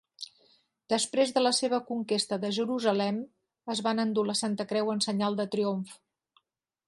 Després de la seva conquesta de Jerusalem, es van endur la Santa Creu en senyal de triomf.